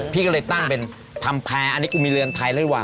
พี่ก็เลยตั้งเป็นทำแพร่อันนี้กูมีเรือนไทยหรือเปล่า